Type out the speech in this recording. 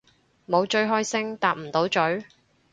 冇追開星搭唔到咀